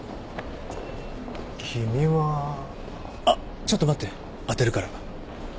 あっちょっと待って当てるから。